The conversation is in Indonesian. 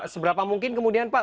seberapa mungkin kemudian pak